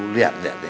lihat lihat deh